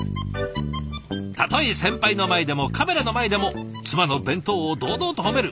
たとえ先輩の前でもカメラの前でも妻の弁当を堂々と褒める。